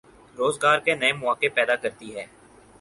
روزگار کے نئے مواقع پیدا کرتی ہے۔